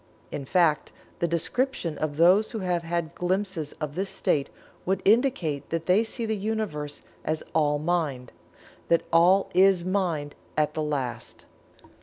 In fact, the description of those who have had glimpses of this state would indicate that they see the Universe as All Mind that All is Mind at the last.